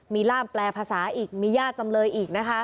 มีร่ามแปลภาษาอีกมีญาติจำเลยอีกนะคะ